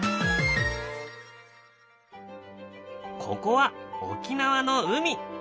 ここは沖縄の海。